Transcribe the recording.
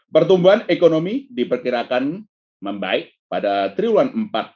pertumbuhan ekonomi diperkirakan membaik pada triwulan empat dua ribu dua puluh satu